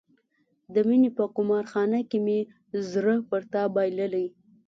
د مینې په قمار خانه کې مې زړه پر تا بایللی.